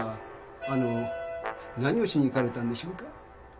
あのー何をしに行かれたんでしょうか？